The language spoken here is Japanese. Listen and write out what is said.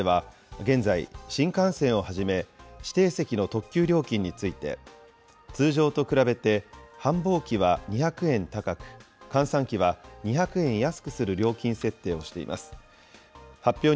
ＪＲ各社では、現在、新幹線をはじめ指定席の特急料金について、通常と比べて繁忙期は２００円高く、閑散期は２００円安くする料金設定をしています。